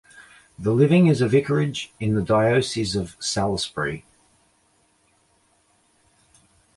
The living is a vicarage in the diocese of Salisbury.